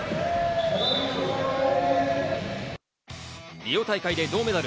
リオ大会で銅メダル。